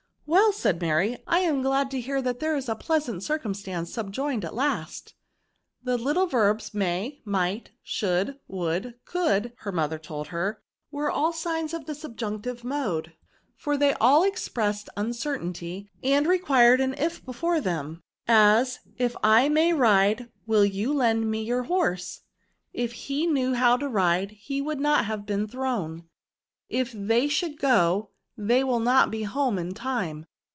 *'Well," said Mary, " I am glad to hear there is a pleasant circumstance subjoined at last.'' " The little terbs map, mighty should, would, could, her mother told her, ^'were all signs of the subjunctive mode ; for they all expressed uncertainty, and required an (^before them, as, * If I may ride, will you lend me your horse ;'* If he knew how to ride, he would not have been thrown ;'* If they should go, they will not be home in time.'